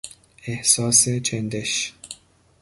احساس چندش